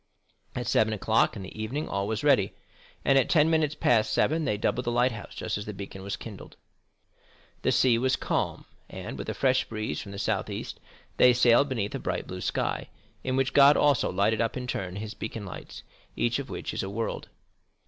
At seven o'clock in the evening all was ready, and at ten minutes past seven they doubled the lighthouse just as the beacon was kindled. The sea was calm, and, with a fresh breeze from the south east, they sailed beneath a bright blue sky, in which God also lighted up in turn his beacon lights, each of which is a world.